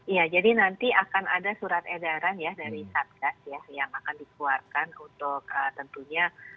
iya jadi nanti akan ada surat edaran ya dari satgas ya yang akan dikeluarkan untuk tentunya